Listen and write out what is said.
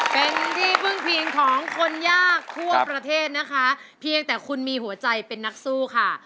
เป็นที่พึ่งพิงของคนยากทั่วประเทศนะคะเพียงแต่คุณมีหัวใจเป็นนักสู้ค่ะ